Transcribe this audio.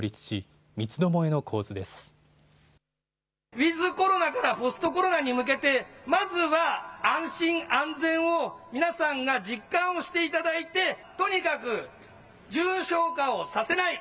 ウィズコロナからポストコロナに向けてまずは安心安全を皆さんが実感をしていただいて、とにかく重症化をさせない。